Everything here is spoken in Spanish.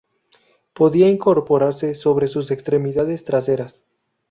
Podía incorporarse sobre sus extremidades traseras.